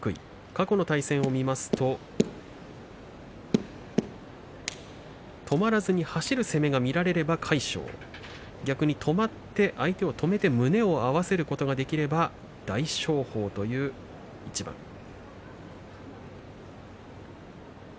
過去の対戦は止まらずに走る攻めが見せられれば魁勝、止まって相手を止めて胸を合わせることができれば大翔鵬という一番です。